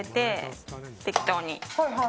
適当に。